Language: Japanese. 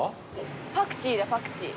パクチーだパクチー。